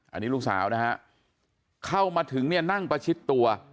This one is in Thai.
อันนี้ลูกสาวนะฮะเข้ามาถึงเนี่ยนั่งประชิดตัว